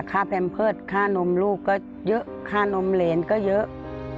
ค่าแพมเพิศค่านมลูกก็เยอะค่านมเหรียญก็เยอะ